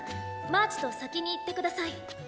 マーチと先に行って下さい。